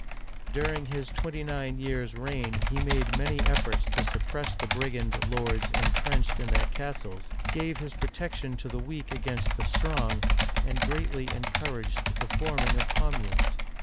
During his twenty nine years' reign he made many efforts to suppress the brigand lords intrenched in their castles, gave his pro tection to the weak against the strong, and greatly en couraged the forming of communes.